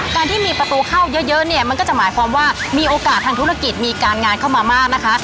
การที่มีประตูเข้าเยอะเนี่ยมันก็จะหมายความว่ามีโอกาสทางธุรกิจมีการงานเข้ามามากนะคะ